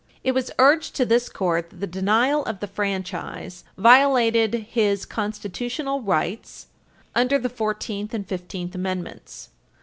It was urged to this Court that the denial of the franchise the Nixon violated his Constitutional rights under the Fourteenth and Fifteenth Amendments.